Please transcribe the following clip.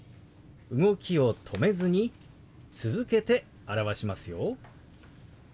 動きを止めずに続けて表しますよ。